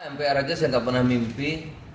mpr aja saya gak pernah mimpi